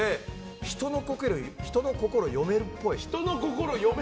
人の心を読めるっぽい。